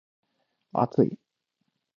厚い